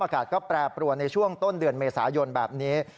อากาศก็แปรปรวนในช่วงต้นเดือนเมษายนแบบนี้